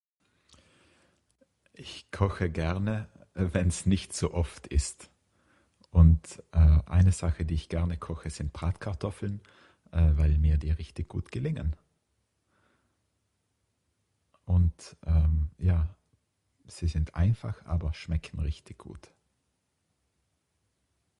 Ich koche gerne wenns nicht zu oft ist und eh eine Sache die ich gerne Koche sind Bratkartoffeln eh weil mir die richtig gut gelingen. Und ehm ja Sie sind einfach aber schmecken richtig gut.